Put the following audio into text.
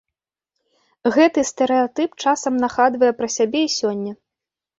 Гэты стэрэатып часам нагадвае пра сябе і сёння.